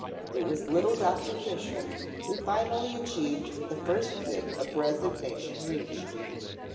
It was little Doctor Fisher who finally achieved the first bit of resignation reached.